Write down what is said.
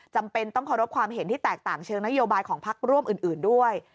จำเป็นต้องเคารพความเห็นที่แตกต่างเชิงนโยบายของพักร่วมอื่นด้วย